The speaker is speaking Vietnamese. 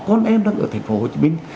con em đang ở thành phố hồ chí minh